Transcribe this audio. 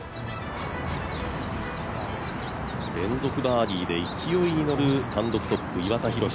連続バーディーで勢いに乗る単独トップ、岩田寛。